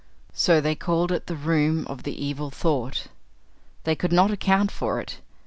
So they called it the room of the Evil Thought. They could not account for it.